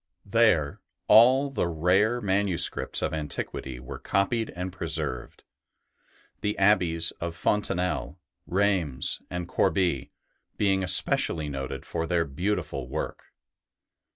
There all the rare manuscripts of antiquity were copied and preserved; the abbeys of Fontanelle, Reims, and Corbie being especially noted for their beautiful work.